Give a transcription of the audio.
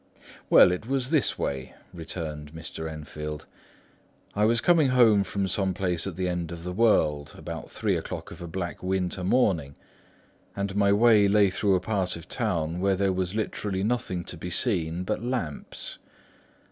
"Well, it was this way," returned Mr. Enfield: "I was coming home from some place at the end of the world, about three o'clock of a black winter morning, and my way lay through a part of town where there was literally nothing to be seen but lamps.